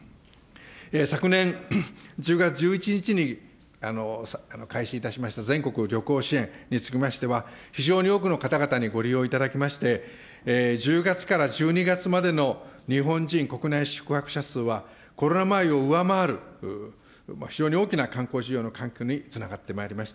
昨年１０月１１日に開始いたしました全国旅行支援につきましては、非常に多くの方々にご利用いただきまして、１０月から１２月までの日本人国内宿泊者数は、コロナ前を上回る、非常に大きな観光需要の拡大につながってまいりました。